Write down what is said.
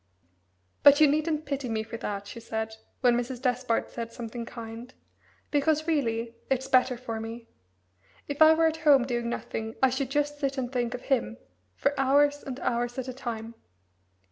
"But you needn't pity me for that," she said, when Mrs. Despard said something kind, "because, really, it's better for me. If I were at home doing nothing I should just sit and think of him for hours and hours at a time.